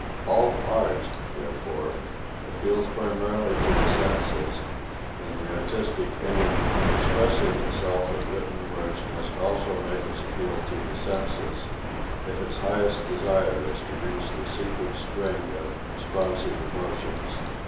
All art, therefore, appeals primarily to the senses, and the artistic aim when expressing itself in written words must also make its appeal through the senses, if its highest desire is to reach the secret spring of responsive emotions.